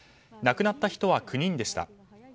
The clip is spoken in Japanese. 亡くなった人は９人でした。